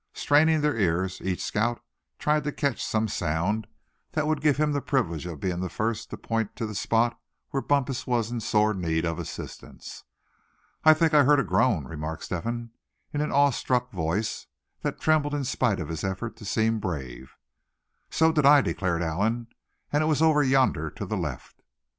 Straining their ears, each scout tried to catch some sound that would give him the privilege of being the first to point to the spot where Bumpus was in sore need of assistance. "I think I heard a groan!" remarked Step hen, in an awe struck voice, that trembled in spite of his effort to seem brave. "So did I," declared Allan; "and it was over yonder to the left."